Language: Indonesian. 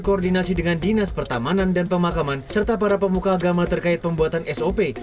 koordinasi dengan dinas pertamanan dan pemakaman serta para pemuka agama terkait pembuatan sop